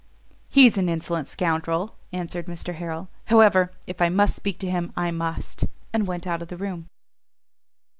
"He's an insolent scoundrel," answered Mr Harrel; "however, if I must speak to him, I must;" and went out of the room.